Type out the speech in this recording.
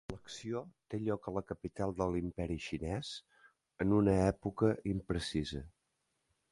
L'acció té lloc a la capital de l'Imperi Xinès, en una època imprecisa.